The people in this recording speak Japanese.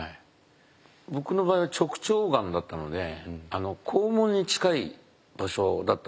僕の場合は直腸がんだったので肛門に近い場所だったんですね。